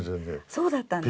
そうだったんですか。